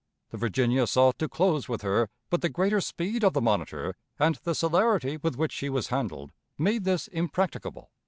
The Virginia sought to close with her, but the greater speed of the Monitor and the celerity with which she was handled made this impracticable.